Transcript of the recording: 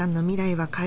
はい。